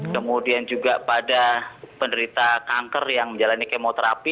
kemudian juga pada penderita kanker yang menjalani kemoterapi